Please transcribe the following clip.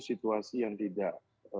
situasi yang tidak